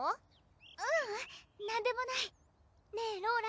ううんなんでもないねぇローラ